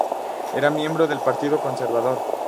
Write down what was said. Era miembro del Partido Conservador.